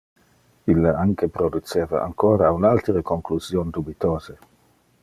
Ille anque produceva ancora un altere conclusion dubitose.